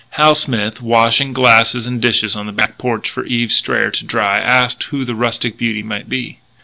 Hal Smith, washing glasses and dishes on the back porch for Eve Strayer to dry, asked who the rustic beauty might be.